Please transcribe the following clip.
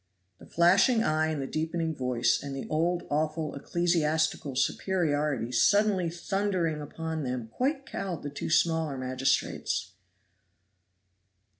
The flashing eye and the deepening voice, and the old awful ecclesiastical superiority suddenly thundering upon them quite cowed the two smaller magistrates.